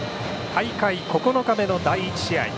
大会９日目の第１試合。